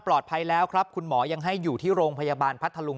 แล้วครับคุณหมอยังให้อยู่ที่โรงพยาบาลพัทธลุง